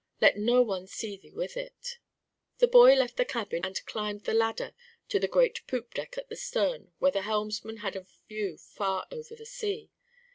Let no one see thee with it." The boy left the cabin and climbed the ladder to the great poop deck at the stern where the helmsman had a view far over the sea.